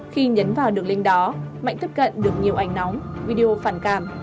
khi nhấn vào đường link đó mạnh tiếp cận được nhiều ảnh nóng video phản cảm